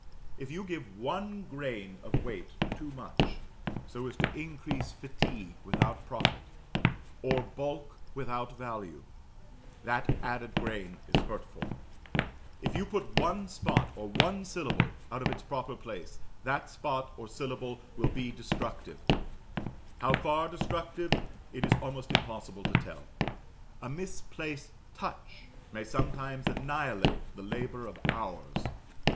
If you give one grain of weight too much, so as to increase fatigue without profit, or bulk without value that added grain is hurtful; if you put one spot or one syllable out of its proper place, that spot or syllable will be destructive how far destructive it is almost impossible to tell: a misplaced touch may sometimes annihilate the labour of hours.